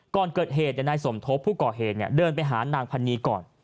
ก่อนเกิดเหตุนายสมทบผู้ก่อเหตุเดินไปหานางพันนีก่อน